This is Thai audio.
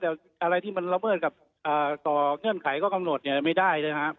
แต่อะไรที่มันละเมิดกับต่อเงื่อนไขข้อกำหนดเนี่ยไม่ได้เลยครับ